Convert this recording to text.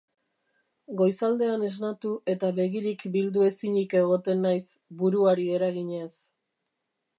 Goizaldean esnatu eta begirik bildu ezinik egoten naiz, buruari eraginez.